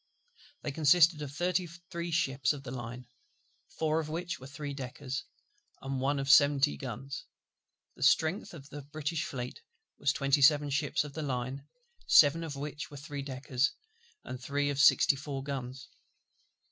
They consisted of thirty three ships of the line; four of which were three deckers, and one of seventy guns: the strength of the British Fleet was twenty seven ships of the line; seven of which were three deckers, and three of sixty four guns.